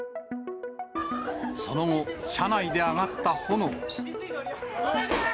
その後、車内で上がった炎。